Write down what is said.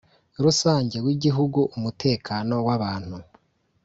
Rusange w igihugu umutekano w abantu